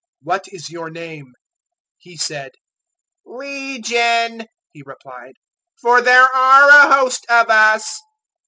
"What is your name?" He said. "Legion," he replied, "for there are a host of us."